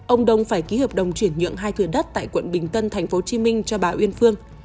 ông đông phải ký hợp đồng chuyển nhượng hai thừa đất tại quận bình tân tp hcm cho bà uyên phương